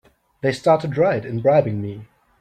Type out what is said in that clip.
They started right in bribing me!